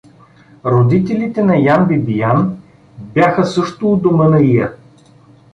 Родителите на Ян Бибиян бяха също у дома на Иа.